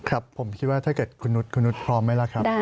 ครับผมคิดว่าถ้าเกิดคุณนุษย์คุณนุษย์พร้อมไหมล่ะครับ